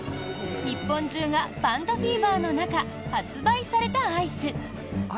日本中がパンダフィーバーの中発売されたアイス。